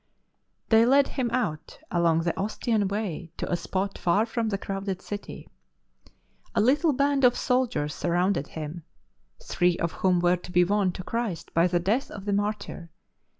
#■:|£, They led him out along the Ostian way to a spot far from the crowded city. A little band of soldiers surrounded him, three of whom were to be won to Christ by the death of the martyr.